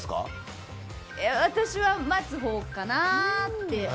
私は待つほうかなって。